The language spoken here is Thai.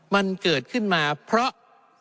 มันเกิดขึ้นมาเพราะ